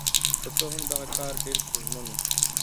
که څه هم دغه کار ډېر ستونزمن و.